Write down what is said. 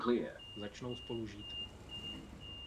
Začnou spolu žít.